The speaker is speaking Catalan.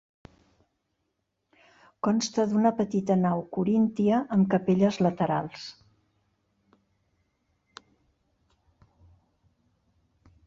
Consta d'una petita nau coríntia, amb capelles laterals.